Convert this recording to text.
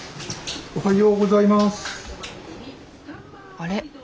あれ？